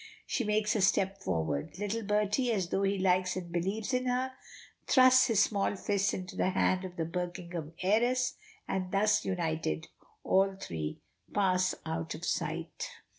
She makes a step forward; little Bertie, as though he likes and believes in her, thrusts his small fist into the hand of the Birmingham heiress, and thus united, all three pass out of sight.